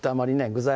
具材